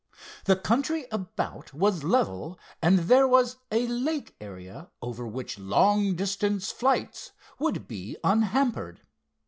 The country about was level, and there was a lake area over which long distance flights would be unhampered.